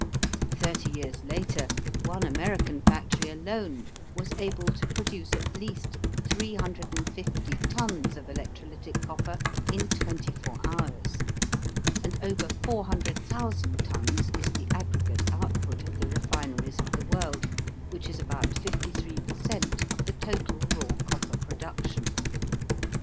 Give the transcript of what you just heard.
Thirty years later one American factory alone was able to produce at least 350 tons of electrolytic copper in twenty four hours, and over 400,000 tons is the aggregate output of the refineries of the world, which is about 53 per cent, of the total raw copper production.